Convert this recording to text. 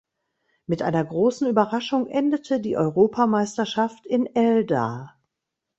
Mit einer großen Überraschung endete die Europameisterschaft in Elda.